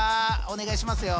お願いしますよ。